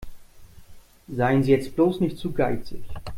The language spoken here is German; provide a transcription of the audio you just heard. Seien Sie jetzt bloß nicht zu geizig.